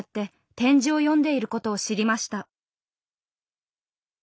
点字を読んでいることを知りました。